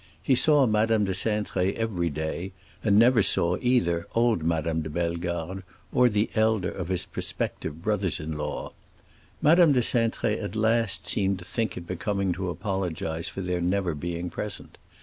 He saw Madame de Cintré every day, and never saw either old Madame de Bellegarde or the elder of his prospective brothers in law. Madame de Cintré at last seemed to think it becoming to apologize for their never being present.